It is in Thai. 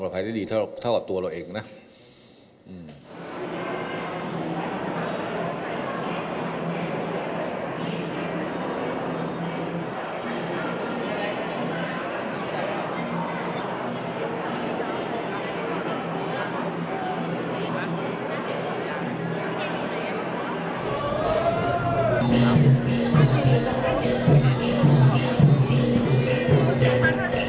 ประภัยได้ดีเท่าเท่ากับตัวเราเองนะอืม